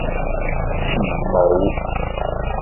慈母